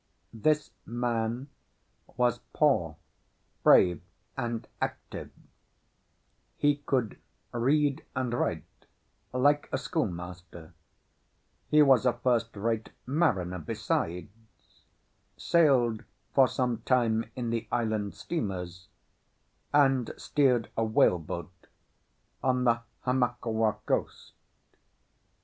This man was poor, brave, and active; he could read and write like a schoolmaster; he was a first rate mariner besides, sailed for some time in the island steamers, and steered a whaleboat on the Hamakua coast.